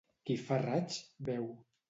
Qui fa raig, beu.